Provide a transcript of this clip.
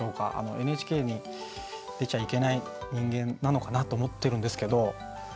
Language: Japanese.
ＮＨＫに出ちゃいけない人間なのかなと思ってるんですけど。